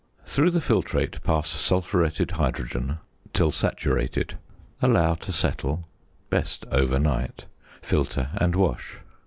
Through the filtrate pass sulphuretted hydrogen till saturated. Allow to settle (best overnight), filter, and wash.